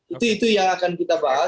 itu yang akan kita bahas